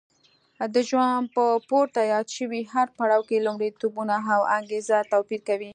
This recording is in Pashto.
د ژوند په پورته یاد شوي هر پړاو کې لومړیتوبونه او انګېزه توپیر کوي.